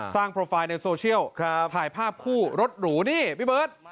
โปรไฟล์ในโซเชียลถ่ายภาพคู่รถหรูนี่พี่เบิร์ต